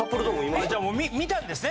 じゃあもう見たんですね